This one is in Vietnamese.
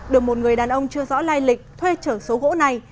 được một người đàn ông chưa rõ lai lịch thuê chở số gỗ này